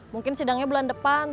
mungkin sidangnya bulan depan